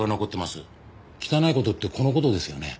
汚い事ってこの事ですよね？